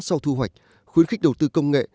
sau thu hoạch khuyến khích đầu tư công nghệ